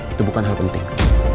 itu bukan hal penting